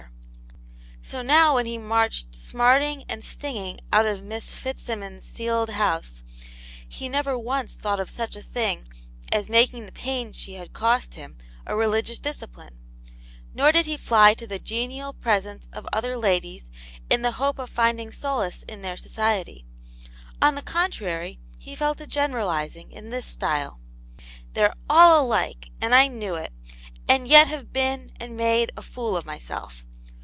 ^^^ \\ss^ c 1 8 Aunt yam's Hero, when he marched smarting atid stinging out of Miss Fitzsimmons*s ceiled house, he never once thought o/ such a thing as making the pain she had cost him a religious discipline; nor did he fly to the genial presence of other ladies in the hope of finding solace in their society. On the contrary, he fell to general izing in this style :" They're all alike, and I knew it, and yet have been and made a fool of myself.